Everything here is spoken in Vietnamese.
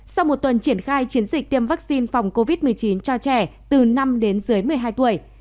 sau một tuần triển khai chiến dịch tiêm vaccine phòng covid một mươi chín cho trẻ từ năm đến dưới một mươi hai tuổi